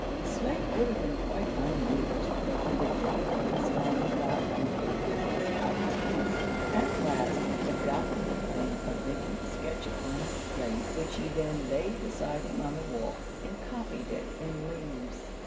The slate would have been quite unused, but for the difficulties Jan got into with his outlines. At last he adopted the plan of making a sketch upon his slate, which he then laid beside him on the walk, and copied it in leaves.